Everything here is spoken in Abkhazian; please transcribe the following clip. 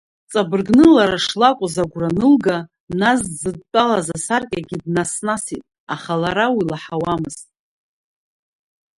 Ҵабыргны лара шлакәыз агәра анылга, нас дзыдтәалаз асаркьагьы днас-насит, аха лара уи лаҳауамызт.